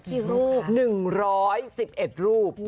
กี่รูป๑๑๑รูป